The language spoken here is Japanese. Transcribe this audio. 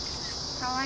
かわいい。